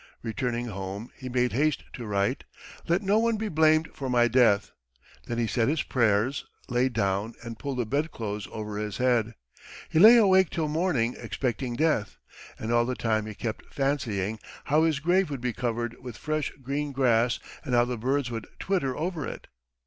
Returning home he made haste to write: "Let no one be blamed for my death," then he said his prayers, lay down and pulled the bedclothes over his head. He lay awake till morning expecting death, and all the time he kept fancying how his grave would be covered with fresh green grass and how the birds would twitter over it.